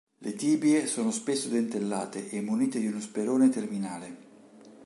Le tibie sono spesso dentellate e munite di uno sperone terminale.